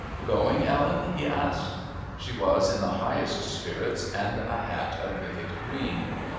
"Going, Ellen?" he asked. She was in the highest spirits and a hat of vivid green.